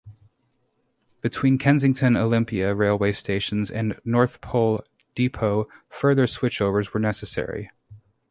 Between Kensington Olympia railway station and North Pole depot further switchovers were necessary.